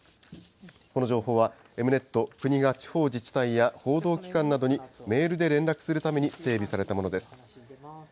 この情報は、Ｅｍ−Ｎｅｔ、国が地方自治体や報道機関などにメールで連絡するために整備されたものです。